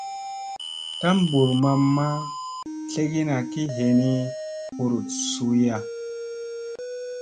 Tambur mamma tlegina ki henii huruɗ suuya.